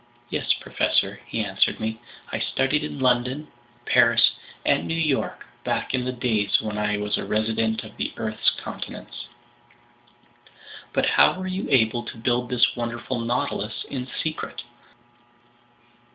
"Yes, professor," he answered me. "I studied in London, Paris, and New York back in the days when I was a resident of the earth's continents." "But how were you able to build this wonderful Nautilus in secret?"